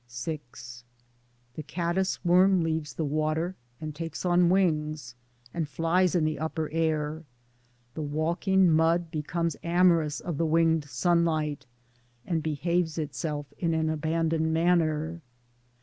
VI The caddis worm leaves the water, and takes on wings and flies in the upper air ; the walking mud becomes amorous of the winged sunlight, and behaves itself in an abandoned manner.